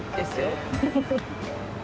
フフフフ。